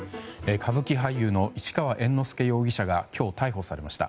歌舞伎俳優の市川猿之助容疑者が今日、逮捕されました。